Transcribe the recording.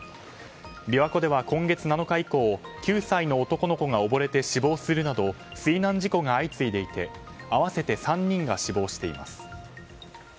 琵琶湖では今月７日以降９歳の男の子が溺れて死亡するなど水難事故が相次いでいて合わせて３人が死亡しています。